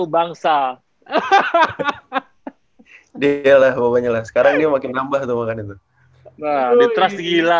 bangsa hahaha dia lah pokoknya sekarang ini makin nambah tuh makan itu nah ditelan gila